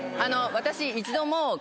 私。